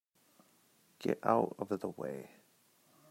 Get out of the way!